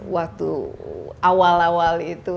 waktu awal awal itu